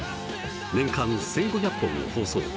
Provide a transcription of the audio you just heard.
年間１，５００本を放送。